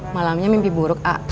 malamnya mimpi buruk ah